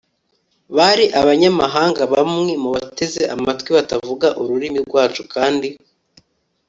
bari abanyamahanga bamwe mubateze amatwi batavuga ururimi rwacu kandi